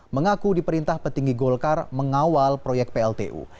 mengaku diperintah petinggi golkar mengawal proyek plt u